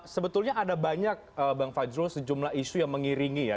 sebetulnya ada banyak bang fajrul sejumlah isu yang mengiringi ya